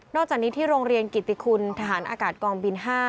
อกจากนี้ที่โรงเรียนกิติคุณทหารอากาศกองบิน๕